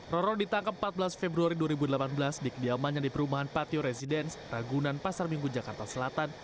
roro ditangkap empat belas februari dua ribu delapan belas di kediamannya di perumahan patio residence ragunan pasar minggu jakarta selatan